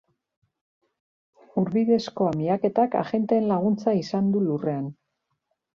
Ur bidezko miaketak agenteen laguntza izan du lurrean.